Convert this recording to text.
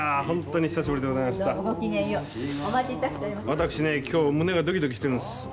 私今日、胸がドキドキしているんです。